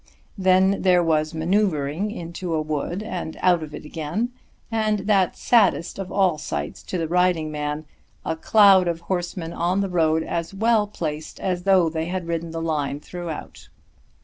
Then there was manoeuvring into a wood and out of it again, and that saddest of all sights to the riding man, a cloud of horsemen on the road as well placed as though they had ridden the line throughout.